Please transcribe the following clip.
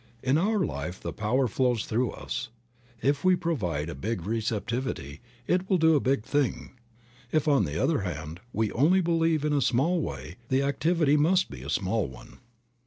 In our life the power flows through us. If we provide a big receptivity, it will do a big thing; if, on the other hand, we only believe in a small way, the activity must be a small one.